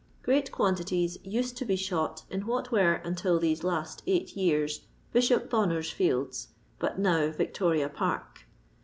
Great quantities used to be shot in what were, until these last eight years. Bishop Bonner's Fields, but now Victoria Park.